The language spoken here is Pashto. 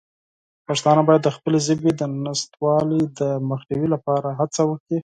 پښتانه باید د خپلې ژبې د نشتوالي د مخنیوي لپاره هڅه وکړي.